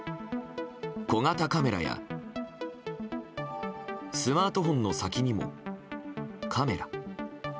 小型カメラやスマートフォンの先にもカメラ。